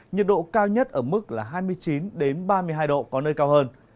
nhiệt độ cao nhất ở mức là hai mươi chín ba mươi hai độ có nơi cao hơn